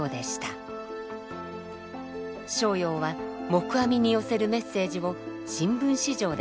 逍遙は黙阿弥に寄せるメッセージを新聞紙上で発表します。